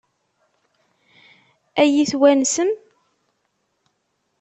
Ad iyi-twansem?